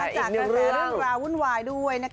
แต่อีกหนึ่งเรื่องวุ่นวายด้วยนะคะ